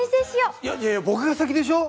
いやいや僕が先でしょ！